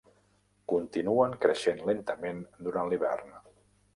Continuen creixent lentament durant l'hivern.